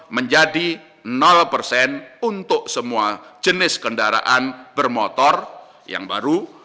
menjadi persen untuk semua jenis kendaraan bermotor yang baru